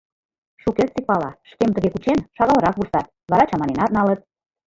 Шукертсек пала: шкем тыге кучен, шагалрак вурсат, вара чаманенат налыт.